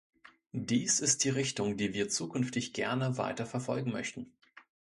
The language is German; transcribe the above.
Dies ist die Richtung, die wir zukünftig gerne weiter verfolgen möchten.